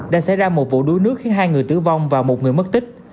đã xảy ra một vụ đuối nước khiến hai người tử vong và một người mất tích